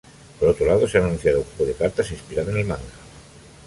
Por otro lado, se ha anunciado un juego de cartas inspirado en el manga.